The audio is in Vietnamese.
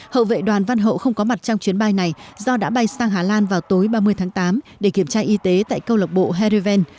hậu vệ đoàn văn hậu không có mặt trong chuyến bay này do đã bay sang hà lan vào tối ba mươi tháng tám để kiểm tra y tế tại câu lộc bộ herriven